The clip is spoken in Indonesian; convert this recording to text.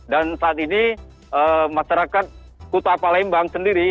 dan saat ini masyarakat kota palembang sendiri